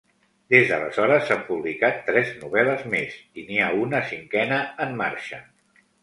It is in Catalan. Des d'aleshores s'han publicat tres novel·les més, i n'hi ha una cinquena en marxa.